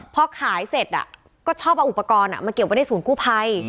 พอขายเสร็จก็ชอบเอาอุปกรณ์มาเก็บไว้ในศูนย์กู้ภัย